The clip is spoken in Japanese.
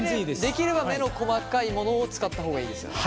できれば目の細かいものを使った方がいいですよね？